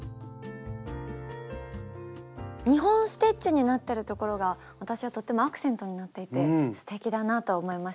２本ステッチになってるところが私はとってもアクセントになっていてすてきだなと思いましたね。